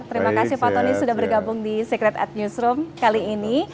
terima kasih pak tony sudah bergabung di secret at newsroom kali ini